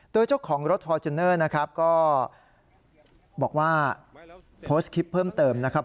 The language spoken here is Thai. โดยเจ้าของรถฟอร์จูเนอร์นะครับก็บอกว่าโพสต์คลิปเพิ่มเติมนะครับ